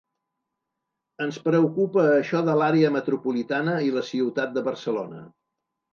Ens preocupa això de l’àrea metropolitana i la ciutat de Barcelona.